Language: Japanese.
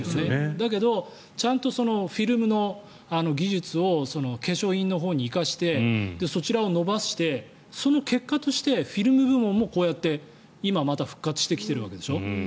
だけどちゃんとフィルムの技術を化粧品のほうに生かしてそちらを伸ばしてその結果としてフィルム部門もこうやって今また復活してきてるわけでしょ。